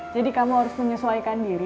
jadi kamu harus menyesuaikan diri